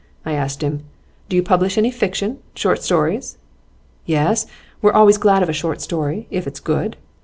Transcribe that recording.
I asked him: "Do you publish any fiction short stories?" "Yes, we're always glad of a short story, if it's good."